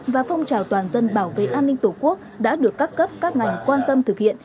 và phong trào toàn dân bảo vệ an ninh tổ quốc đã được các cấp các ngành quan tâm thực hiện